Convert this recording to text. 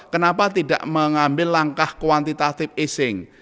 kenapa tidak mengambil langkah quantitative easing